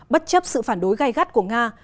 bất chấp sự phản đối gay gắt của nga